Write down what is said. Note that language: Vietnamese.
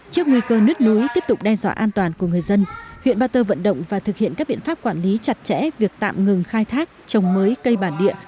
trước nguy cơ nứt núi tiếp tục đe dọa an toàn của người dân huyện ba tơ vận động và thực hiện các biện pháp quản lý chặt chẽ việc tạm ngừng khai thác trồng mới cây bản địa